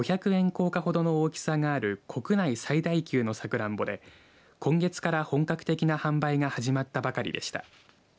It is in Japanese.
硬貨ほどの大きさがある国内最大級のサクランボで今月から本格的な販売が始まったばかりでした。